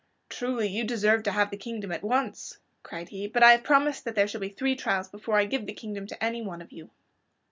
"Truly you deserve to have the kingdom at once," cried he, "but I have promised that there shall be three trials before I give the kingdom to any one of you."